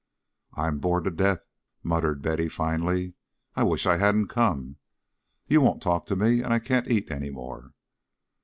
"I'm bored to death," muttered Betty, finally. "I wish I hadn't come. You won't talk to me and I can't eat any more."